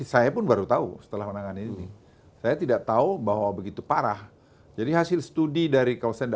saya pun baru tahu setelah menangani ini saya tidak tahu bahwa begitu parah jadi hasil studi dari kalsen